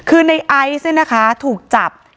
คือในไอซ์เนี่ยนะคะถูกจับ